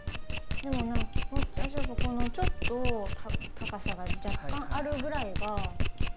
でも何か私やっぱこのちょっと高さが若干あるぐらいが好み。